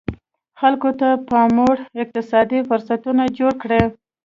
خلکو ته پاموړ اقتصادي فرصتونه جوړ کړي.